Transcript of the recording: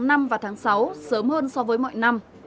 năm và tháng sáu sớm hơn so với mọi năm